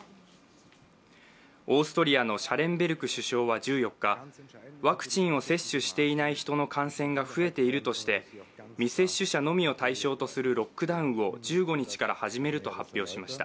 オーストリアのシャレンベルク首相は１４日、ワクチンを接種していない人の感染が増えているとして、未接種社のみを対象とするロックダウンを１５日から始めると発表しました。